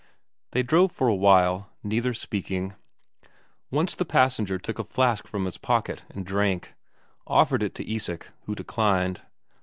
They drove for a while, neither speaking. Once the passenger took a flask from his pocket and drank; offered it to Isak, who declined.